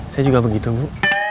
saya juga begitu bu